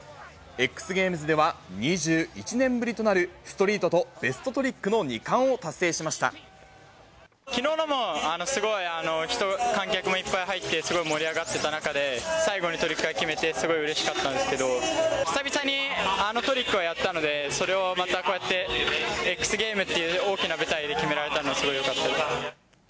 ＸＧａｍｅｓでは２１年ぶりとなる、ストリートとベストトリッきのうのも、すごい人、観客もいっぱい入って、すごい盛り上がってた中で、最後にトリックを決められて、すごいうれしかったんですけど、久々にあのトリックをやったので、それをまたこうやって、ＸＧａｍｅｓっていう大きな舞台で決められたのはすごいよかったな。